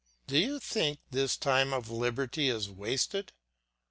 Do you think this time of liberty is wasted?